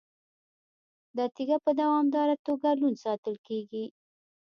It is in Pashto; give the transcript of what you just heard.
دا تیږه په دوامداره توګه لوند ساتل کیږي.